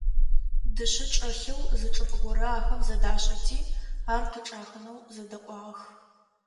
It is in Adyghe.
Дышъэ чӀэлъэу зы чӀыпӀэ горэ ахэм зэдашӀэти, ар къычӀахынэу зэдэкӀуагъэх.